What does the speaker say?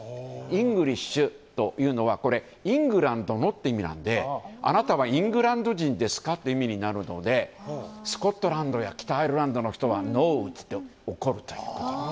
イングリッシュというのはイングランドのという意味なのであなたはイングランド人ですか？という意味になるのでスコットランドや北アイルランドの人はノーと言って怒るという。